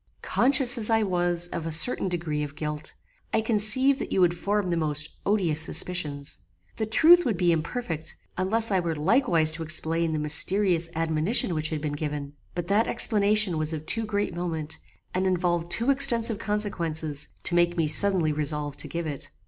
Conscious as I was of a certain degree of guilt, I conceived that you would form the most odious suspicions. The truth would be imperfect, unless I were likewise to explain the mysterious admonition which had been given; but that explanation was of too great moment, and involved too extensive consequences to make me suddenly resolve to give it.